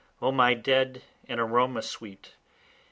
O my dead, an aroma sweet!